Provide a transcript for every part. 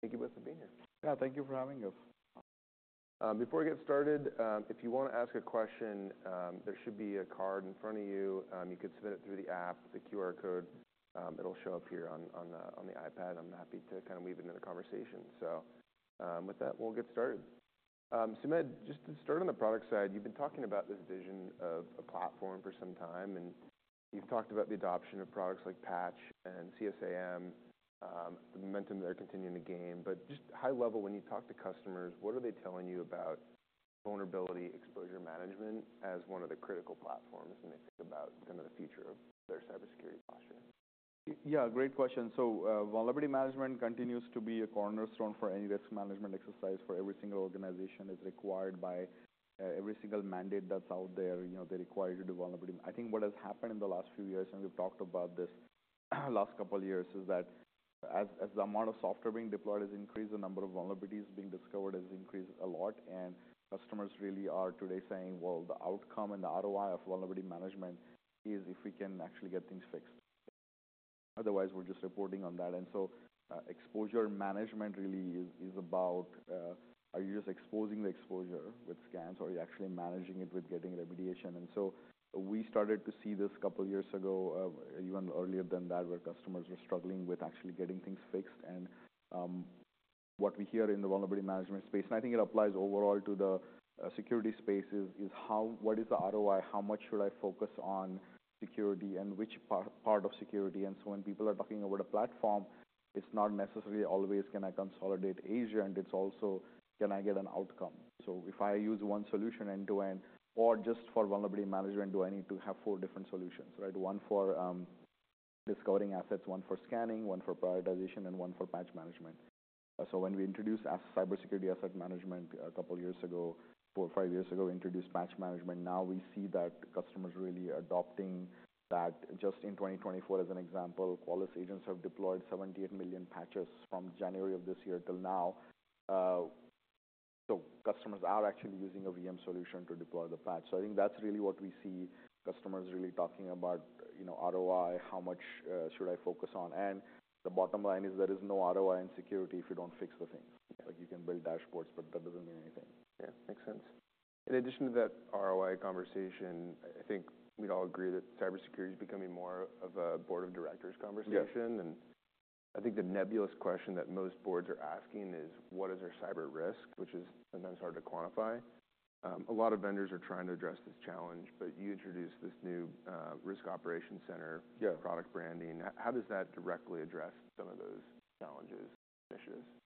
Thank you both for being here. Yeah. Thank you for having us. Before we get started, if you wanna ask a question, there should be a card in front of you. You could submit it through the app, the QR code. It'll show up here on the iPad. I'm happy to kinda weave it into the conversation. So, with that, we'll get started. Sumedh, just to start on the product side, you've been talking about this vision of a platform for some time, and you've talked about the adoption of products like patch and CSAM, the momentum they're continuing to gain, but just high level, when you talk to customers, what are they telling you about vulnerability exposure management as one of the critical platforms when they think about kinda the future of their cybersecurity posture? Yeah. Great question. So, vulnerability management continues to be a cornerstone for any risk management exercise for every single organization. It's required by every single mandate that's out there. You know, they're required to do vulnerability. I think what has happened in the last few years, and we've talked about this last couple of years, is that as the amount of software being deployed has increased, the number of vulnerabilities being discovered has increased a lot. And customers really are today saying, "Well, the outcome and the ROI of vulnerability management is if we can actually get things fixed." Otherwise, we're just reporting on that. And so, exposure management really is about, are you just exposing the exposure with scans, or are you actually managing it with getting remediation? And so we started to see this a couple of years ago, even earlier than that, where customers were struggling with actually getting things fixed. And what we hear in the vulnerability management space, and I think it applies overall to the security space, is, what is the ROI? How much should I focus on security and which part of security? And so when people are talking about a platform, it's not necessarily always, "Can I consolidate SaaS?" And it's also, "Can I get an outcome?" So if I use one solution end-to-end, or just for vulnerability management, do I need to have four different solutions, right? One for discovering assets, one for scanning, one for prioritization, and one for patch management. So when we introduced as Cybersecurity Asset Management a couple of years ago, four or five years ago, we introduced patch management. Now we see that customers really adopting that. Just in 2024, as an example, Qualys agents have deployed 78 million patches from January of this year till now. So customers are actually using a VM solution to deploy the patch. So I think that's really what we see customers really talking about, you know, ROI, how much, should I focus on? And the bottom line is there is no ROI in security if you don't fix the things. Like, you can build dashboards, but that doesn't mean anything. Yeah. Makes sense. In addition to that ROI conversation, I think we'd all agree that cybersecurity is becoming more of a Board of Directors conversation. Yeah. And I think the nebulous question that most boards are asking is, "What is our cyber risk?" which is sometimes hard to quantify. A lot of vendors are trying to address this challenge, but you introduced this new, Risk Operations Center. Yeah. Product branding. How does that directly address some of those challenges and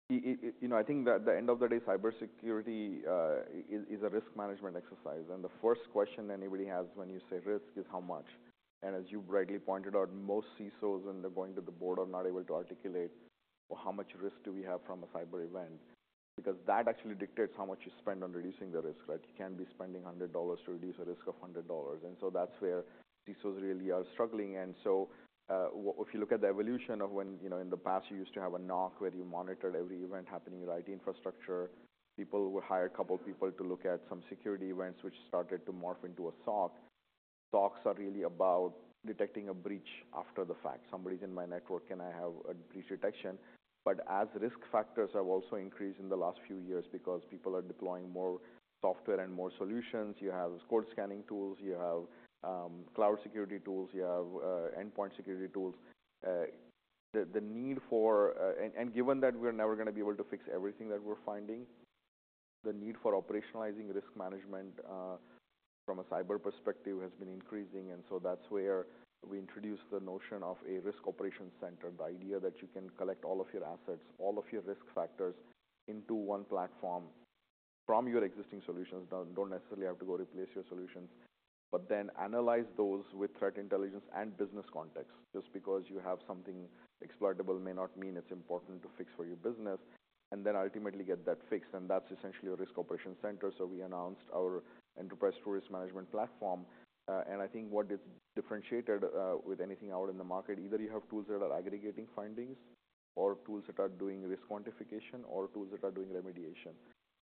initiatives? You know, I think that the end of the day, cybersecurity is a risk management exercise. And the first question anybody has when you say risk is how much. And as you rightly pointed out, most CISOs, when they're going to the board, are not able to articulate, "Well, how much risk do we have from a cyber event?" Because that actually dictates how much you spend on reducing the risk, right? You can't be spending $100 to reduce a risk of $100. And so that's where CISOs really are struggling. And so if you look at the evolution of when, you know, in the past, you used to have a NOC where you monitored every event happening in your IT infrastructure. People were hired, a couple of people to look at some security events, which started to morph into a SOC. SOCs are really about detecting a breach after the fact. Somebody's in my network. Can I have a breach detection? But as risk factors have also increased in the last few years because people are deploying more software and more solutions, you have code scanning tools, you have cloud security tools, you have endpoint security tools, and given that we're never gonna be able to fix everything that we're finding, the need for operationalizing risk management from a cyber perspective has been increasing. And so that's where we introduced the notion of a Risk Operations Center, the idea that you can collect all of your assets, all of your risk factors into one platform from your existing solutions. Don't necessarily have to go replace your solutions, but then analyze those with threat intelligence and business context. Just because you have something exploitable may not mean it's important to fix for your business. And then ultimately get that fixed. And that's essentially a risk operations center. So we announced our enterprise risk management platform. And I think what it's differentiated with anything out in the market, either you have tools that are aggregating findings or tools that are doing risk quantification or tools that are doing remediation.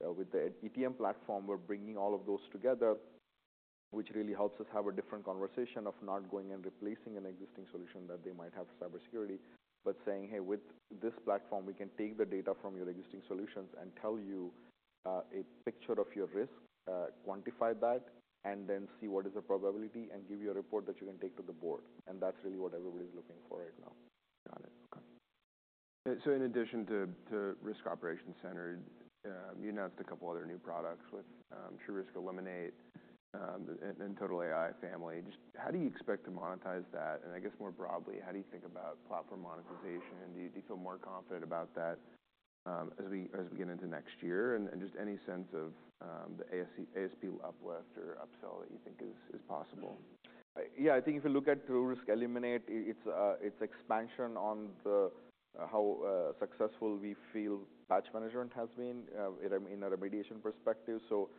With the ETM platform, we're bringing all of those together, which really helps us have a different conversation of not going and replacing an existing solution that they might have for cybersecurity, but saying, "Hey, with this platform, we can take the data from your existing solutions and tell you a picture of your risk, quantify that, and then see what is the probability and give you a report that you can take to the board." And that's really what everybody's looking for right now. Got it. Okay. So in addition to Risk Operations Center, you announced a couple other new products with TruRisk Eliminate, and TotalAI family. Just how do you expect to monetize that? And I guess more broadly, how do you think about platform monetization? Do you feel more confident about that, as we get into next year? And just any sense of the ASP uplift or upsell that you think is possible? Yeah. I think if you look at TruRisk Eliminate, it's expansion on the how successful we feel patch management has been, in a remediation perspective. So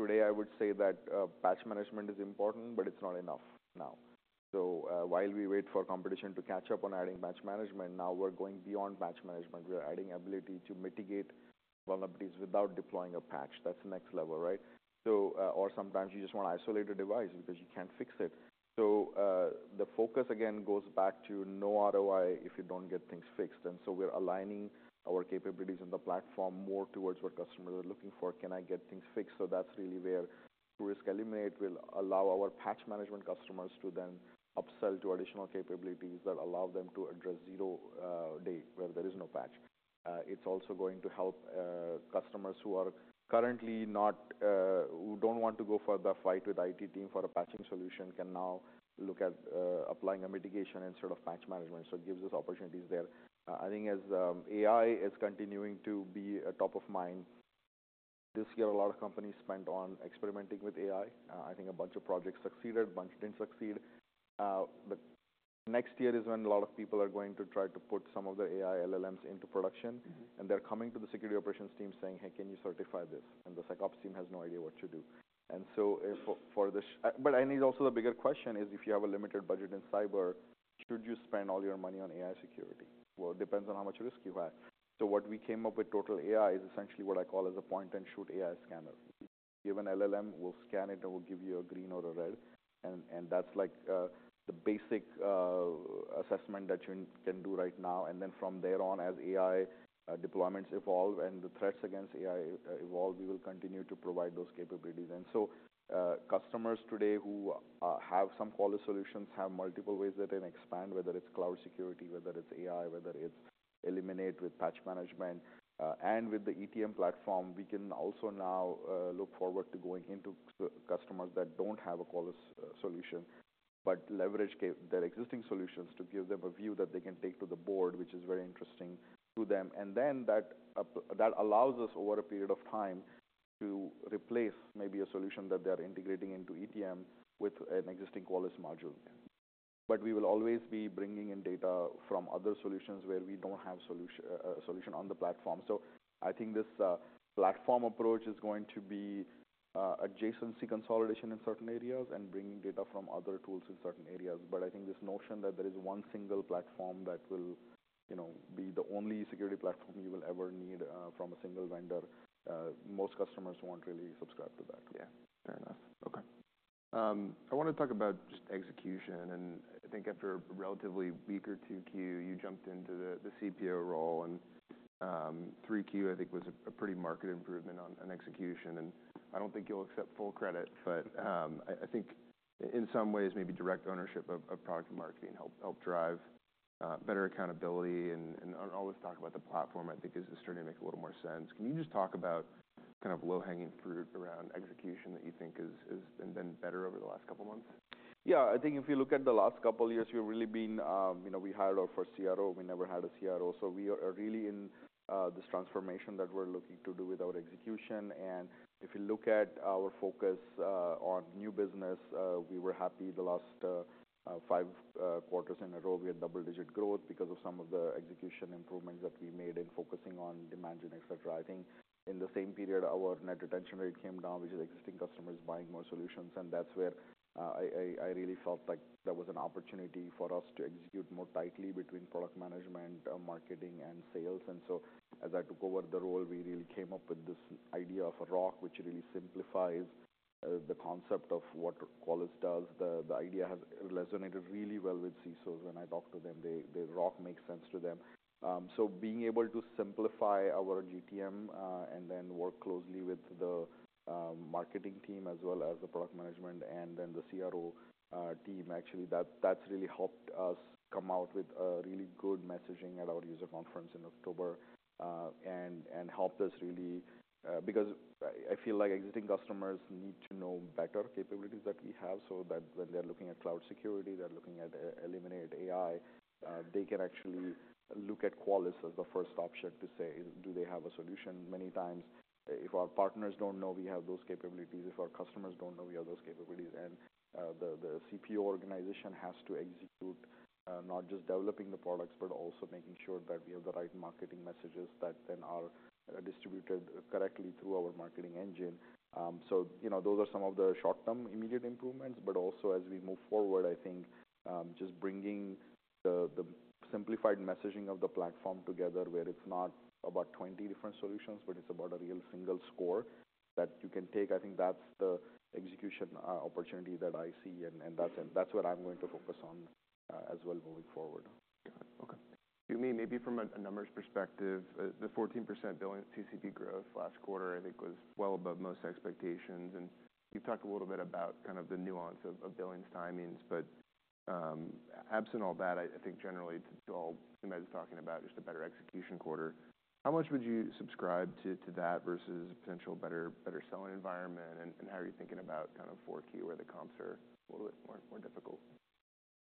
today, I would say that patch management is important, but it's not enough now. So while we wait for competition to catch up on adding patch management, now we're going beyond patch management. We are adding ability to mitigate vulnerabilities without deploying a patch. That's the next level, right? So or sometimes you just wanna isolate a device because you can't fix it. So the focus again goes back to no ROI if you don't get things fixed. And so we're aligning our capabilities in the platform more towards what customers are looking for. Can I get things fixed? So that's really where TruRisk Eliminate will allow our patch management customers to then upsell to additional capabilities that allow them to address zero-day where there is no patch. It's also going to help customers who are currently not, who don't want to go for the fight with IT team for a patching solution can now look at applying a mitigation instead of patch management. So it gives us opportunities there. I think as AI is continuing to be a top of mind this year a lot of companies spent on experimenting with AI. I think a bunch of projects succeeded, a bunch didn't succeed but next year is when a lot of people are going to try to put some of their AI LLMs into production. Mm-hmm. And they're coming to the security operations team saying, "Hey, can you certify this?" And the SecOps team has no idea what to do. And so, for the short, but I think also the bigger question is if you have a limited budget in cyber, should you spend all your money on AI security? Well, it depends on how much risk you have. So what we came up with TotalAI is essentially what I call as a point-and-shoot AI scanner. You give an LLM, we'll scan it, and we'll give you a green or a red. And that's like the basic assessment that you can do right now. And then from there on, as AI deployments evolve and the threats against AI evolve, we will continue to provide those capabilities. And so, customers today who have some Qualys solutions have multiple ways that they can expand, whether it's cloud security, whether it's AI, whether it's Eliminate with patch management. And with the ETM platform, we can also now look forward to going into customers that don't have a Qualys solution but leverage their existing solutions to give them a view that they can take to the board, which is very interesting to them. And then that approach that allows us over a period of time to replace maybe a solution that they are integrating into ETM with an existing Qualys module. But we will always be bringing in data from other solutions where we don't have a solution on the platform. So I think this platform approach is going to be adjacency consolidation in certain areas and bringing data from other tools in certain areas. But I think this notion that there is one single platform that will, you know, be the only security platform you will ever need, from a single vendor, most customers won't really subscribe to that. Yeah. Fair enough. Okay. I wanna talk about just execution. And I think after a relatively weak quarter or 2Q, you jumped into the, the CPO role. And, 3Q, I think, was a, a pretty marked improvement on, on execution. And I don't think you'll accept full credit, but, I, I think in, in some ways, maybe direct ownership of, of product and marketing helped, helped drive, better accountability. And, and on all this talk about the platform, I think is, is starting to make a little more sense. Can you just talk about kind of low-hanging fruit around execution that you think has, has been better over the last couple of months? Yeah. I think if you look at the last couple of years, we've really been, you know, we hired our first CRO. We never had a CRO. So we are really in this transformation that we're looking to do with our execution. And if you look at our focus on new business, we were happy the last five quarters in a row, we had double-digit growth because of some of the execution improvements that we made in focusing on demand gen, etc. I think in the same period, our net retention rate came down, which is existing customers buying more solutions. And that's where I really felt like there was an opportunity for us to execute more tightly between product management, marketing, and sales. And so as I took over the role, we really came up with this idea of a ROC, which really simplifies the concept of what Qualys does. The idea has resonated really well with CISOs when I talk to them. The ROC makes sense to them, so being able to simplify our GTM, and then work closely with the marketing team as well as the product management and then the CRO team, actually, that's really helped us come out with a really good messaging at our user conference in October, and helped us really, because I feel like existing customers need to know better capabilities that we have. So that when they're looking at cloud security, they're looking at TotalAI, they can actually look at Qualys as the first option to say, "Do they have a solution?" Many times, if our partners don't know we have those capabilities, if our customers don't know we have those capabilities, and the CPO organization has to execute, not just developing the products but also making sure that we have the right marketing messages that then are distributed correctly through our marketing engine. So, you know, those are some of the short-term immediate improvements. But also, as we move forward, I think just bringing the simplified messaging of the platform together where it's not about 20 different solutions, but it's about a real single score that you can take. I think that's the execution opportunity that I see. That's what I'm going to focus on, as well, moving forward. Got it. Okay. You mean maybe from a numbers perspective, the 14% billing CCB growth last quarter, I think, was well above most expectations. And you've talked a little bit about kind of the nuance of billing's timings. But absent all that, I think generally to all you guys talking about just a better execution quarter, how much would you subscribe to that versus potential better selling environment? And how are you thinking about kind of 4Q where the comps are a little bit more difficult?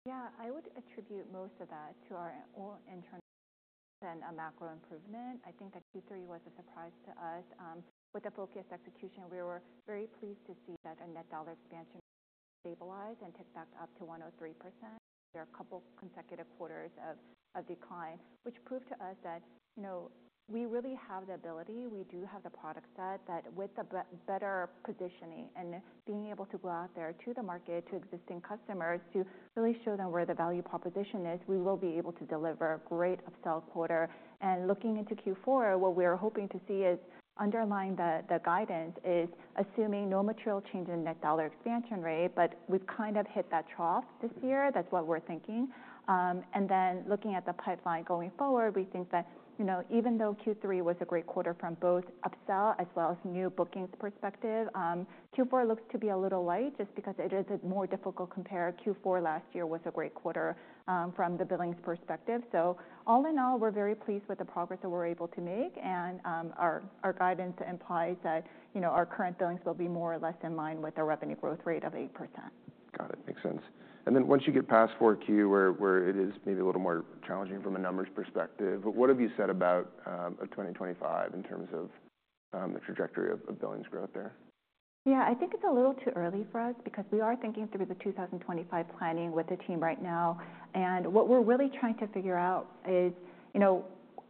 Yeah. I would attribute most of that to our own internal and a macro improvement. I think that Q3 was a surprise to us. With the focused execution, we were very pleased to see that our net dollar expansion stabilized and ticked back up to 103%. There are a couple consecutive quarters of decline, which proved to us that, you know, we really have the ability. We do have the product set that with the better positioning and being able to go out there to the market, to existing customers, to really show them where the value proposition is, we will be able to deliver a great upsell quarter. And looking into Q4, what we're hoping to see is underlying the guidance is assuming no material change in net dollar expansion rate, but we've kind of hit that trough this year. That's what we're thinking. And then looking at the pipeline going forward, we think that, you know, even though Q3 was a great quarter from both upsell as well as new bookings perspective, Q4 looks to be a little light just because it is more difficult compared to Q4 last year with a great quarter, from the billings perspective. So all in all, we're very pleased with the progress that we're able to make. And our guidance implies that, you know, our current billings will be more or less in line with our revenue growth rate of 8%. Got it. Makes sense. And then once you get past Q4, where it is maybe a little more challenging from a numbers perspective, what have you said about 2025 in terms of the trajectory of billing's growth there? Yeah. I think it's a little too early for us because we are thinking through the 2025 planning with the team right now. And what we're really trying to figure out is, you know,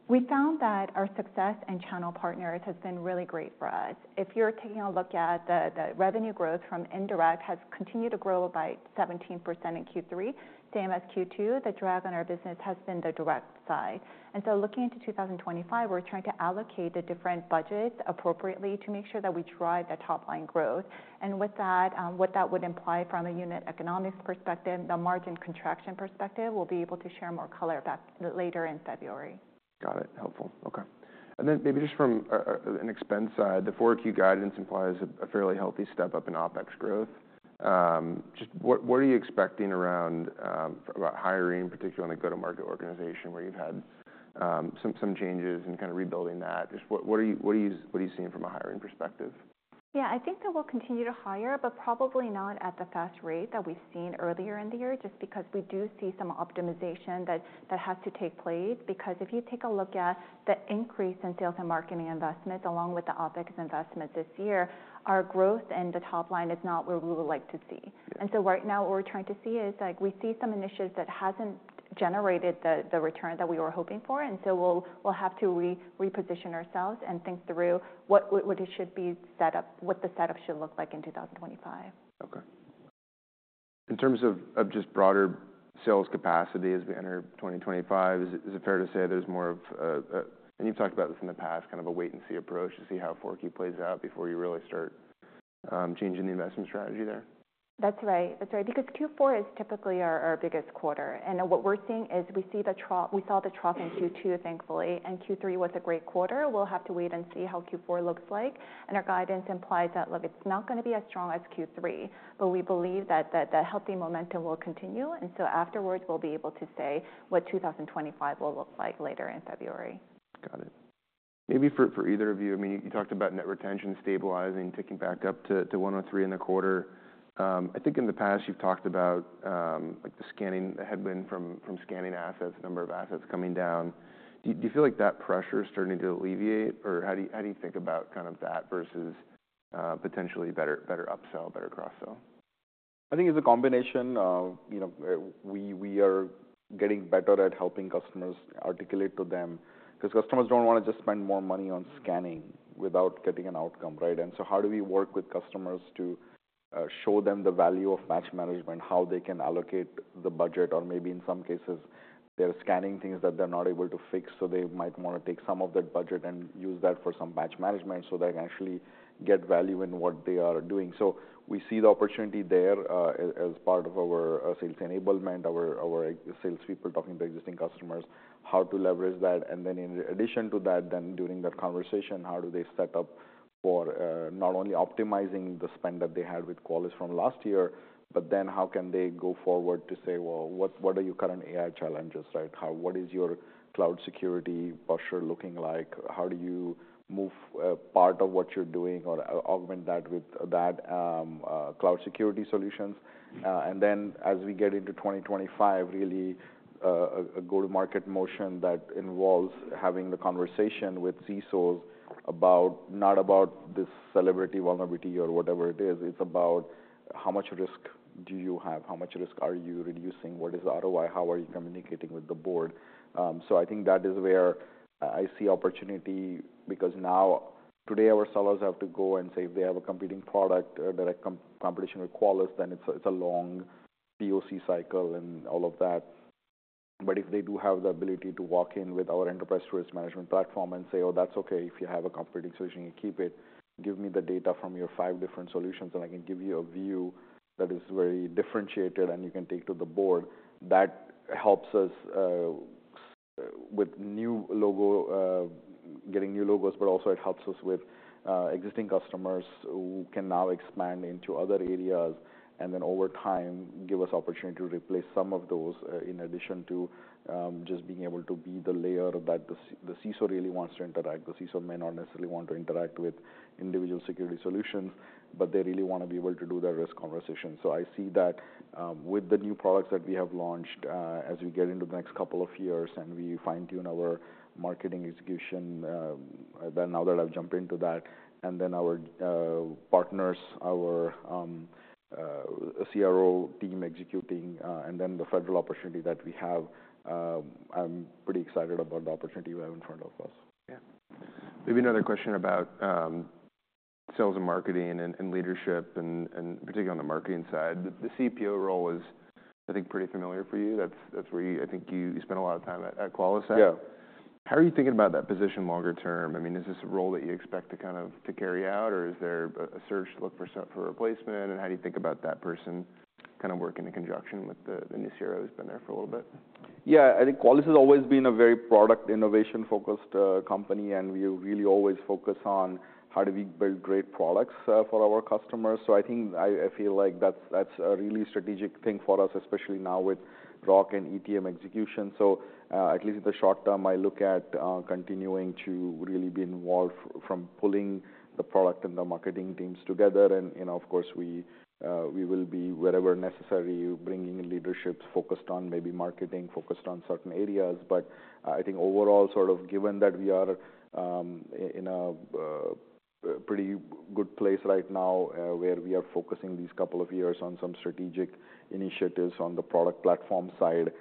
we found that our success [in] channel partners has been really great for us. If you're taking a look at the revenue growth from indirect has continued to grow by 17% in Q3, same as Q2. The drag on our business has been the direct side. And so looking into 2025, we're trying to allocate the different budgets appropriately to make sure that we drive that top-line growth. And with that, what that would imply from a unit economics perspective, the margin contraction perspective, we'll be able to share more color back later in February. Got it. Helpful. Okay. And then maybe just from an expense side, the 4Q guidance implies a fairly healthy step up in OpEx growth. Just what are you expecting around about hiring, particularly on the go-to-market organization where you've had some changes and kind of rebuilding that? Just what are you seeing from a hiring perspective? Yeah. I think that we'll continue to hire, but probably not at the fast rate that we've seen earlier in the year just because we do see some optimization that has to take place. Because if you take a look at the increase in sales and marketing investments along with the OpEx investments this year, our growth in the top line is not where we would like to see. Yeah. Right now, what we're trying to see is, like, we see some initiatives that hasn't generated the return that we were hoping for. We'll have to reposition ourselves and think through what it should be set up, what the setup should look like in 2025. Okay. In terms of just broader sales capacity as we enter 2025, is it fair to say there's more of a, and you've talked about this in the past, kind of a wait-and-see approach to see how 4Q plays out before you really start changing the investment strategy there? That's right. That's right. Because Q4 is typically our biggest quarter. And what we're seeing is we see the trough, we saw the trough in Q2, thankfully. And Q3 was a great quarter. We'll have to wait and see how Q4 looks like. And our guidance implies that, look, it's not gonna be as strong as Q3, but we believe that the healthy momentum will continue. And so afterwards, we'll be able to say what 2025 will look like later in February. Got it. Maybe for either of you, I mean, you talked about net retention stabilizing, ticking back up to 103 in the quarter. I think in the past, you've talked about, like the scanning, the headwind from scanning assets, number of assets coming down. Do you feel like that pressure's starting to alleviate? Or how do you think about kind of that versus potentially better upsell, better cross-sell? I think it's a combination of, you know, we are getting better at helping customers articulate to them 'cause customers don't wanna just spend more money on scanning without getting an outcome, right? And so how do we work with customers to show them the value of patch management, how they can allocate the budget, or maybe in some cases, they're scanning things that they're not able to fix. So they might wanna take some of that budget and use that for some patch management so they can actually get value in what they are doing. So we see the opportunity there, as part of our sales enablement, our existing salespeople talking to existing customers, how to leverage that. And then in addition to that, then during that conversation, how do they set up for not only optimizing the spend that they had with Qualys from last year, but then how can they go forward to say, "Well, what, what are your current AI challenges, right? How, what is your cloud security posture looking like? How do you move part of what you're doing or augment that with that cloud security solutions?" and then as we get into 2025, really a go-to-market motion that involves having the conversation with CISOs about not about this celebrity vulnerability or whatever it is. It's about how much risk do you have, how much risk are you reducing, what is ROI, how are you communicating with the board? I think that is where I see opportunity because now, today, our sellers have to go and say if they have a competing product, direct competition with Qualys, then it's a long POC cycle and all of that. But if they do have the ability to walk in with our enterprise risk management platform and say, "Oh, that's okay. If you have a competing solution, you keep it. Give me the data from your five different solutions, and I can give you a view that is very differentiated and you can take to the Board," that helps us with new logos, getting new logos, but also it helps us with existing customers who can now expand into other areas and then over time give us opportunity to replace some of those, in addition to just being able to be the layer that the CISO really wants to interact. The CISO may not necessarily want to interact with individual security solutions, but they really wanna be able to do that risk conversation. I see that, with the new products that we have launched, as we get into the next couple of years and we fine-tune our marketing execution, now that I've jumped into that, and then our partners, our CRO team executing, and then the federal opportunity that we have, I'm pretty excited about the opportunity we have in front of us. Yeah. Maybe another question about sales and marketing and leadership and particularly on the marketing side. The CPO role is, I think, pretty familiar for you. That's where you, I think you spent a lot of time at Qualys then. Yeah. How are you thinking about that position longer term? I mean, is this a role that you expect to kind of carry out, or is there a search to look for a successor? And how do you think about that person kind of working in conjunction with the new CRO who's been there for a little bit? Yeah. I think Qualys has always been a very product innovation-focused company, and we have really always focused on how do we build great products for our customers. So I think I feel like that's a really strategic thing for us, especially now with ROC and ETM execution. So, at least in the short term, I look at continuing to really be involved from pulling the product and the marketing teams together. And, you know, of course, we will be, wherever necessary, bringing in leaderships focused on maybe marketing, focused on certain areas. But, I think overall, sort of given that we are in a pretty good place right now, where we are focusing these couple of years on some strategic initiatives on the product platform side,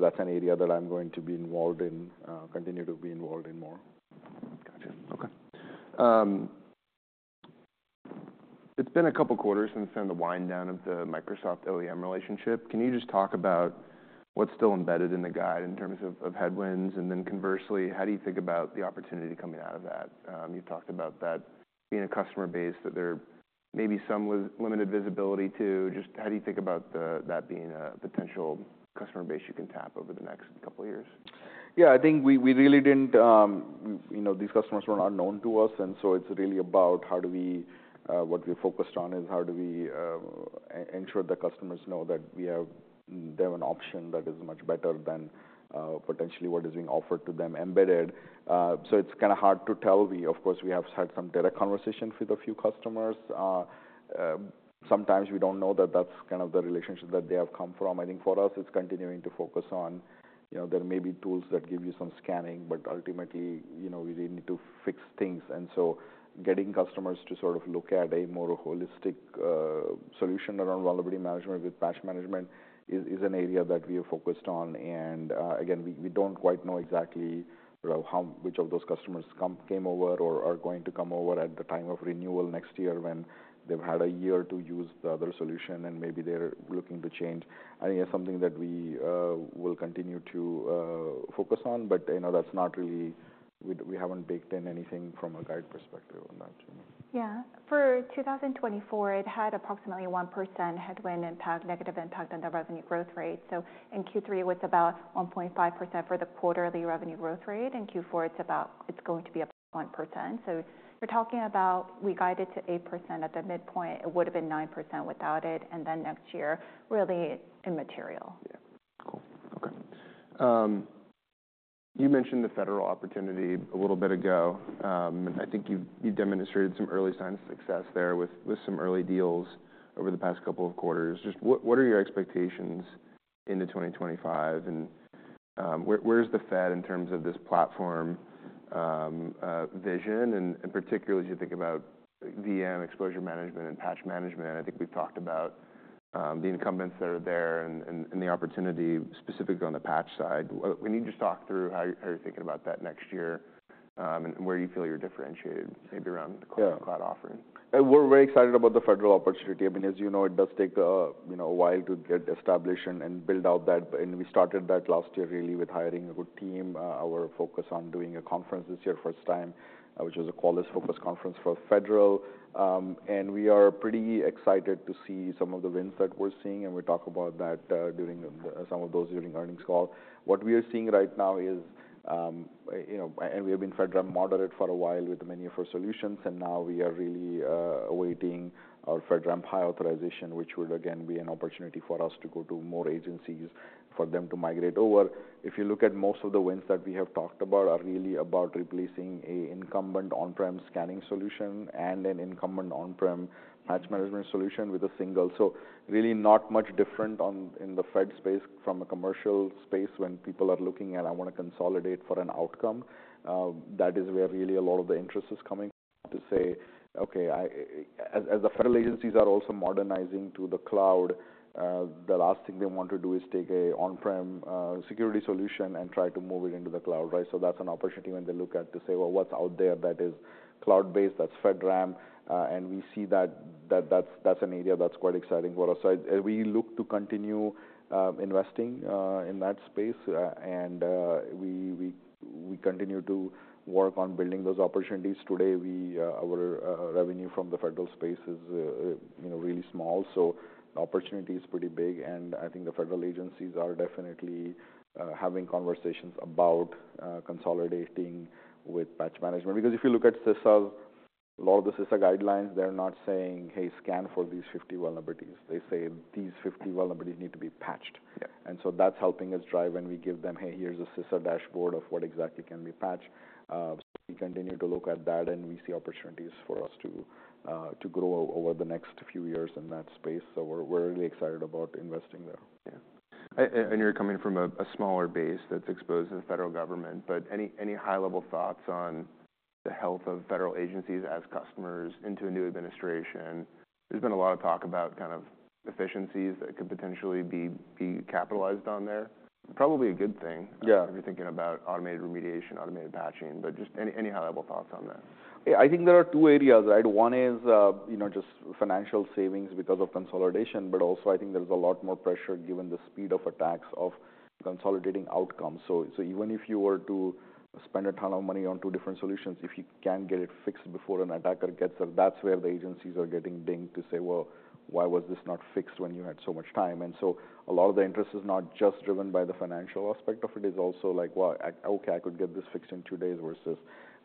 that's an area that I'm going to be involved in, continue to be involved in more. Gotcha. Okay. It's been a couple quarters since then the wind down of the Microsoft OEM relationship. Can you just talk about what's still embedded in the guide in terms of, of headwinds? And then conversely, how do you think about the opportunity coming out of that? You've talked about that being a customer base that there may be some limited visibility to. Just how do you think about that being a potential customer base you can tap over the next couple years? Yeah. I think we really didn't, you know, these customers were not known to us. And so it's really about how do we, what we're focused on is how do we ensure that customers know that we have they have an option that is much better than, potentially what is being offered to them embedded. So it's kinda hard to tell. We, of course, have had some direct conversations with a few customers. Sometimes we don't know that that's kind of the relationship that they have come from. I think for us, it's continuing to focus on, you know, there may be tools that give you some scanning, but ultimately, you know, we really need to fix things. And so getting customers to sort of look at a more holistic solution around vulnerability management with patch management is an area that we are focused on. Again, we don't quite know exactly how which of those customers came over or are going to come over at the time of renewal next year when they've had a year to use the other solution and maybe they're looking to change. I think that's something that we will continue to focus on. You know, that's not really. We haven't baked in anything from a guide perspective on that, you know. Yeah. For 2024, it had approximately 1% headwind impact, negative impact on the revenue growth rate. So in Q3, it was about 1.5% for the quarterly revenue growth rate. In Q4, it's going to be about 1%. So you're talking about we guided to 8% at the midpoint. It would've been 9% without it, and then next year, really immaterial. Yeah. Cool. Okay. You mentioned the federal opportunity a little bit ago, and I think you've, you've demonstrated some early signs of success there with, with some early deals over the past couple of quarters. Just what, what are your expectations into 2025? And where, where's the Fed in terms of this platform vision? And particularly as you think about VM exposure management and patch management, I think we've talked about the incumbents that are there and, and the opportunity specifically on the patch side. What, when you just talk through how, how you're thinking about that next year, and where you feel you're differentiated maybe around the cloud. Yeah. Cloud offering. We're very excited about the federal opportunity. I mean, as you know, it does take, you know, a while to get established and build out that. And we started that last year really with hiring a good team. Our focus on doing a conference this year first time, which was a Qualys focus conference for federal. And we are pretty excited to see some of the wins that we're seeing. And we talk about that during the earnings call, some of those. What we are seeing right now is, you know, and we have been FedRAMP moderate for a while with many of our solutions. And now we are really awaiting our FedRAMP high authorization, which would again be an opportunity for us to go to more agencies for them to migrate over. If you look at most of the wins that we have talked about are really about replacing an incumbent on-prem scanning solution and an incumbent on-prem patch management solution with a single. So really not much different in the Fed space from a commercial space when people are looking at, "I wanna consolidate for an outcome." That is where really a lot of the interest is coming to say, "Okay. I, as the federal agencies are also modernizing to the cloud, the last thing they want to do is take an on-prem security solution and try to move it into the cloud, right?" So that's an opportunity when they look at to say, "Well, what's out there that is cloud-based? That's FedRAMP." And we see that that's an area that's quite exciting for us. So we look to continue investing in that space. We continue to work on building those opportunities. Today, our revenue from the federal space is you know really small. So the opportunity is pretty big. And I think the federal agencies are definitely having conversations about consolidating with patch management. Because if you look at CISOs, a lot of the CISA guidelines, they're not saying, "Hey, scan for these 50 vulnerabilities." They say, "These 50 vulnerabilities need to be patched. Yeah. And so that's helping us drive when we give them, "Hey, here's a CISO dashboard of what exactly can be patched," so we continue to look at that, and we see opportunities for us to grow over the next few years in that space, so we're really excited about investing there. Yeah. And you're coming from a smaller base that's exposed to the federal government. But any high-level thoughts on the health of federal agencies as customers into a new administration? There's been a lot of talk about kind of efficiencies that could potentially be capitalized on there. Probably a good thing. Yeah. If you're thinking about automated remediation, automated patching. But just any, any high-level thoughts on that? Yeah. I think there are two areas, right? One is, you know, just financial savings because of consolidation. But also, I think there's a lot more pressure given the speed of attacks of consolidating outcomes. So even if you were to spend a ton of money on two different solutions, if you can get it fixed before an attacker gets there, that's where the agencies are getting dinged to say, "Well, why was this not fixed when you had so much time?" And so a lot of the interest is not just driven by the financial aspect of it. It's also like, "Well, I could get this fixed in two days versus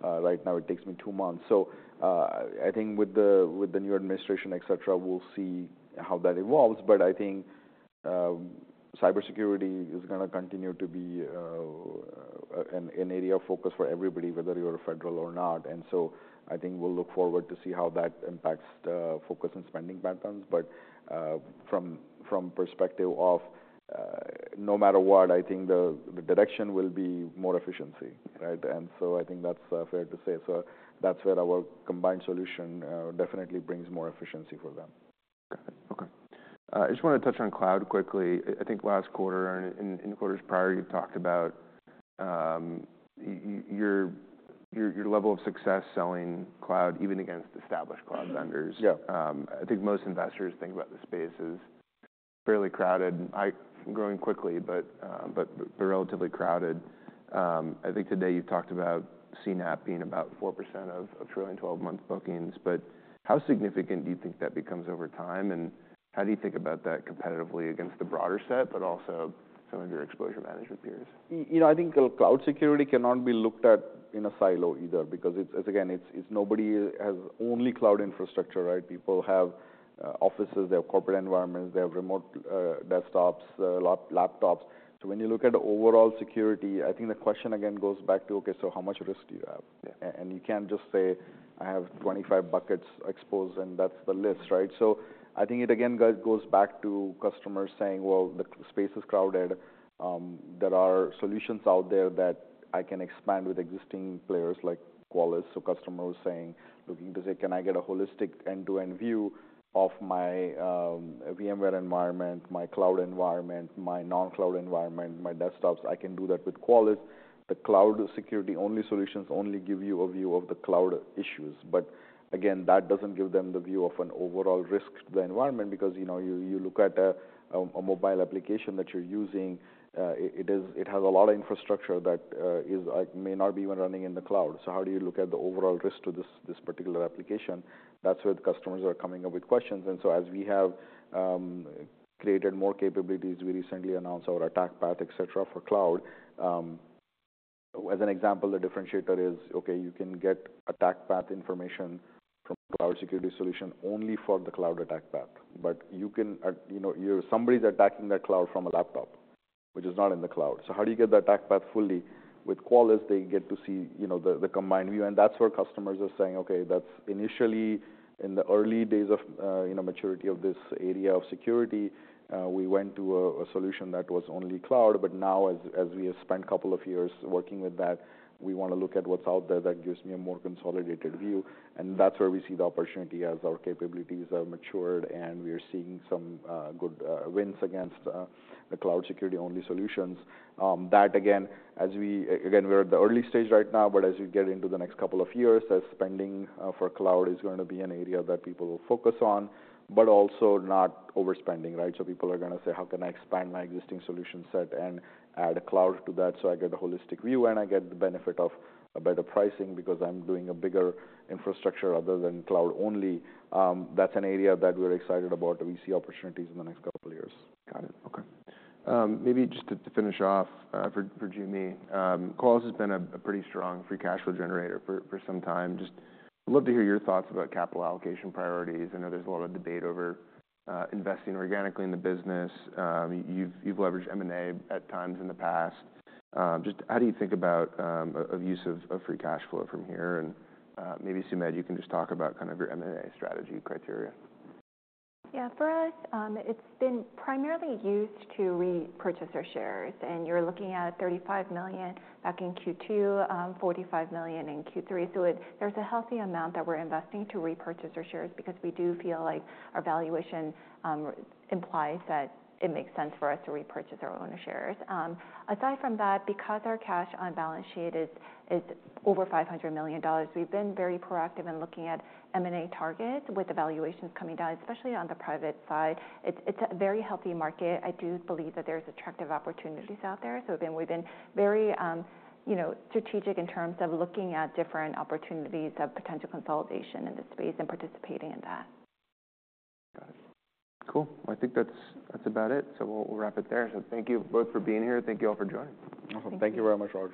right now it takes me two months." So, I think with the new administration, etc., we'll see how that evolves. But I think, cybersecurity is gonna continue to be, an area of focus for everybody, whether you're a federal or not. And so I think we'll look forward to see how that impacts, focus and spending patterns. But, from perspective of, no matter what, I think the direction will be more efficiency, right? And so I think that's fair to say. So that's where our combined solution, definitely brings more efficiency for them. Got it. Okay. I just wanna touch on cloud quickly. I think last quarter and in quarters prior, you talked about your level of success selling cloud even against established cloud vendors. Yeah. I think most investors think about the space as fairly crowded. It's growing quickly, but relatively crowded. I think today you talked about CNAPP being about 4% of trailing 12-month bookings. But how significant do you think that becomes over time? And how do you think about that competitively against the broader set, but also some of your exposure management peers? You know, I think, cloud security cannot be looked at in a silo either because it's again, nobody has only cloud infrastructure, right? People have offices. They have corporate environments. They have remote desktops, laptops. So when you look at overall security, I think the question again goes back to, "Okay. So how much risk do you have? Yeah. And you can't just say, "I have 25 buckets exposed, and that's the list," right? So I think it again goes back to customers saying, "Well, the space is crowded. There are solutions out there that I can expand with existing players like Qualys." So customers saying, looking to say, "Can I get a holistic end-to-end view of my VMware environment, my cloud environment, my non-cloud environment, my desktops? I can do that with Qualys." The cloud security-only solutions only give you a view of the cloud issues. But again, that doesn't give them the view of an overall risk to the environment because, you know, you look at a mobile application that you're using. It has a lot of infrastructure that is, like, may not be even running in the cloud. So how do you look at the overall risk to this, this particular application? That's where the customers are coming up with questions. And so as we have created more capabilities, we recently announced our attack path, etc., for cloud. As an example, the differentiator is, okay, you can get attack path information from cloud security solution only for the cloud attack path. But you can, you know, you're somebody's attacking that cloud from a laptop, which is not in the cloud. So how do you get the attack path fully? With Qualys, they get to see, you know, the, the combined view. And that's where customers are saying, "Okay. That's initially in the early days of, you know, maturity of this area of security, we went to a, a solution that was only cloud. But now, as we have spent a couple of years working with that, we wanna look at what's out there that gives me a more consolidated view." And that's where we see the opportunity as our capabilities have matured and we are seeing some good wins against the cloud security-only solutions. That again, as we're at the early stage right now. But as we get into the next couple of years, that spending for cloud is gonna be an area that people will focus on, but also not overspending, right? So people are gonna say, "How can I expand my existing solution set and add a cloud to that so I get a holistic view and I get the benefit of a better pricing because I'm doing a bigger infrastructure other than cloud only?" That's an area that we're excited about. We see opportunities in the next couple of years. Got it. Okay. Maybe just to finish off, for Joo Mi, Qualys has been a pretty strong free cash flow generator for some time. Just love to hear your thoughts about capital allocation priorities. I know there's a lot of debate over investing organically in the business. You've leveraged M&A at times in the past. Just how do you think about use of free cash flow from here, and maybe Sumedh, you can just talk about kind of your M&A strategy criteria. Yeah. For us, it's been primarily used to repurchase our shares. And you're looking at $35 million back in Q2, $45 million in Q3. So there's a healthy amount that we're investing to repurchase our shares because we do feel like our valuation implies that it makes sense for us to repurchase our own shares. Aside from that, because our cash on balance sheet is over $500 million, we've been very proactive in looking at M&A targets with the valuations coming down, especially on the private side. It's a very healthy market. I do believe that there's attractive opportunities out there. So we've been very, you know, strategic in terms of looking at different opportunities for potential consolidation in this space and participating in that. Got it. Cool. Well, I think that's, that's about it. So we'll, we'll wrap it there. So thank you both for being here. Thank you all for joining. Awesome. Thank you very much, Roger.